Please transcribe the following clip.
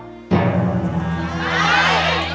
ใช้ใช้ใช้ใช้ใช้ใช้ใช้ใช้ใช้ใช้